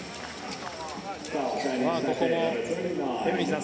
ここもエブリンさん